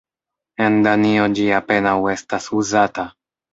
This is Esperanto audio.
En Danio ĝi apenaŭ estas uzata.